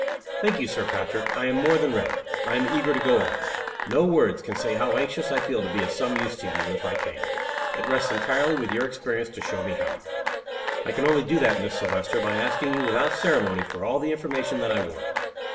"Thank you, Sir Patrick. I am more than ready, I am eager to go on. No words can say how anxious I feel to be of some use to you, if I can. It rests entirely with your experience to show me how." "I can only do that, Miss Silvester, by asking you without ceremony for all the information that I want.